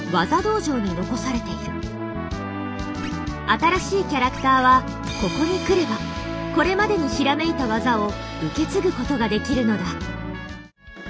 新しいキャラクターはここに来ればこれまでに閃いた技を受け継ぐことができるのだ。